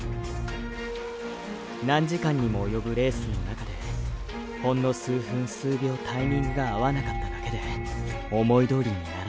何時間にもおよぶレースの中でほんの数分数秒タイミングが合わなかっただけで“思いどおりにならない”